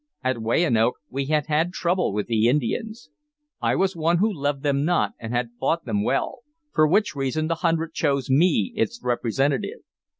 At Weyanoke we had had trouble with the Indians. I was one who loved them not and had fought them well, for which reason the hundred chose me its representative.